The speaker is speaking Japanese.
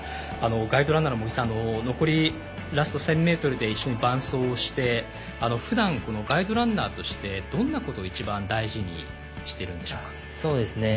ガイドランナーの茂木さんも残りラスト１０００ｍで一緒に伴走してふだんガイドランナーとしてどんなことを一番大事にしているんでしょうか？